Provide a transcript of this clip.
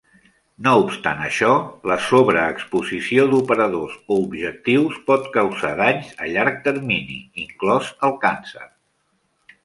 No obstant això, la sobreexposició d'operadors o objectius pot causar danys a llarg termini, inclòs el càncer.